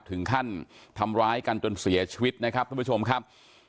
ถึงขั้นทำร้ายกันจนเสียชีวิตนะครับทุกผู้ชมครับ